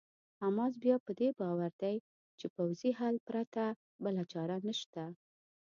حماس بیا په دې باور دی چې پوځي حل پرته بله چاره نشته.